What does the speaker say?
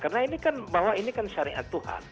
karena ini kan bahwa ini kan syariat tuhan